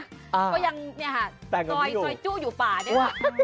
ก็ยังเนี่ยค่ะซอยจู้อยู่ป่าด้วย